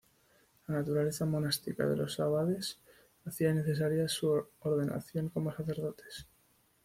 La naturaleza monástica de los abades, hacía innecesaria su ordenación como sacerdotes.